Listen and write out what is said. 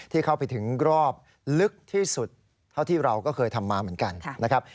ที่เข้าไปถึงรอบลึกที่สุดเท่าที่เราก็เคยทำมาเหมือนกันนะครับ